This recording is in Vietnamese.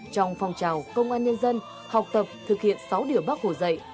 trong phòng trào công an nhân dân học tập thực hiện sáu điều bác hồ dạy